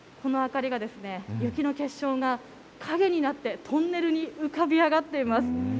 この明かりが雪の結晶が影になって、トンネルに浮かび上がっています。